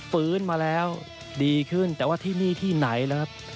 ฟื้นมาแล้วดีขึ้นแต่ว่าที่นี่ที่ไหนนะครับ